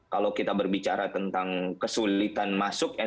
kalau kita berbicara tentang kesulitan masuk ya